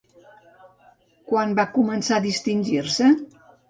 Quan va començar a distingir-se?